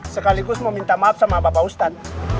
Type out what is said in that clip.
sekaligus mau minta maaf sama bapak ustadz